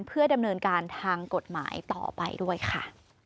เพื่อดำเนินการทางกฎหมายต่อไปด้วยค่ะ